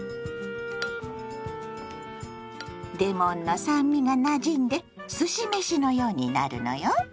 レモンの酸味がなじんですし飯のようになるのよ。